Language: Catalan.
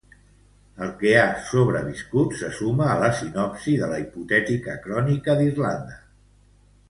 El que ha sobreviscut se suma a la sinopsi de la hipotètica Crònica d'Irlanda.